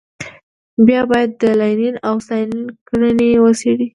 بیا باید د لینین او ستالین کړنې وڅېړو.